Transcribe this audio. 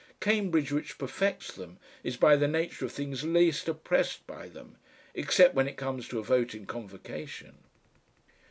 Cambridge which perfects them is by the nature of things least oppressed by them, except when it comes to a vote in Convocation.